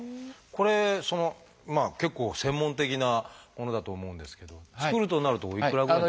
これ結構専門的なものだと思うんですけど作るとなるとおいくらぐらい？